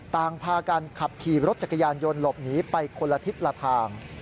ต่างพากันขับขี่รถจักรยานยนต์หลบหนีไปคนละทิศละทาง